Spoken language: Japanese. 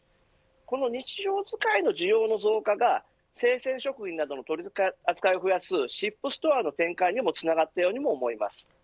この日常使いの需要の増加が生鮮足品などの取り扱いを増やすＳＩＰストアの展開にもつながったように思います。